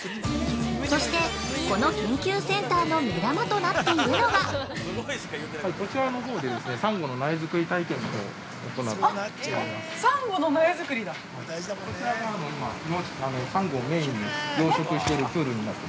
◆そしてこの研究センターの目玉となっているのが◆こちらのほうで、サンゴの苗作り体験のほう、行っております。